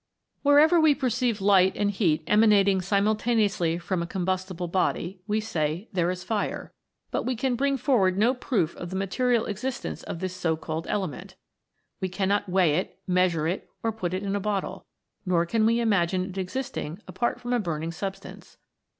Wherever we perceive light and heat emanating simultaneously from a combustible body, we say there is fire but we can bring forward no proof of the material existence of this so called element. We cannot weigh it, measure it, or put it in a bottle ; nor can we imagine it existing apart from a burning substance.